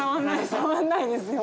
触らないですよ。